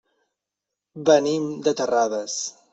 Venim de Terrades.